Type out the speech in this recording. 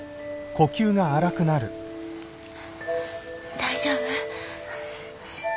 大丈夫？